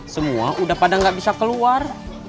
semua udah pada nggak bisa keluar